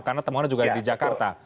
karena temuan itu juga di jakarta